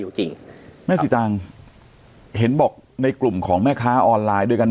จริงแม่สีตังค์เห็นบอกในกลุ่มของแม่ค้าออนไลน์ด้วยกัน